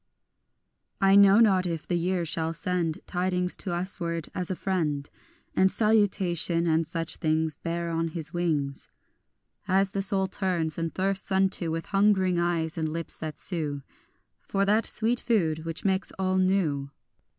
2 I know not if the year shall send Tidings to usward as a friend, And salutation, and such things Bear on his wings As the soul turns and thirsts unto With hungering eyes and lips that sue For that sweet food which makes all new.